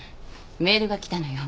メールが来たのよ。